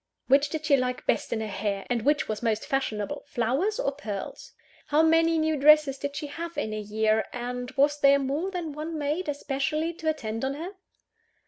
Which did she like best in her hair, and which were most fashionable, flowers or pearls? How many new dresses did she have in a year; and was there more than one maid especially to attend on her?